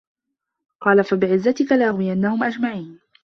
قالَ فَبِعِزَّتِكَ لَأُغوِيَنَّهُم أَجمَعينَ